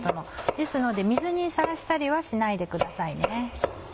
ですので水にさらしたりはしないでください。